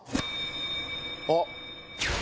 あっ！